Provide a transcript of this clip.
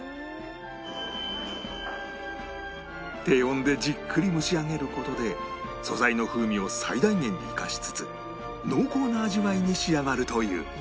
低温でじっくり蒸し上げる事で素材の風味を最大限に生かしつつ濃厚な味わいに仕上がるという